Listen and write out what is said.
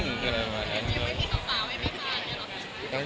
ยังไม่มีสาวยังไม่มีบ้านอย่างนี้หรอครับ